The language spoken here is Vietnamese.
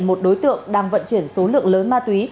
một đối tượng đang vận chuyển số lượng lớn ma túy